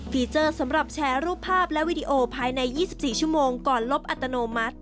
เจอร์สำหรับแชร์รูปภาพและวิดีโอภายใน๒๔ชั่วโมงก่อนลบอัตโนมัติ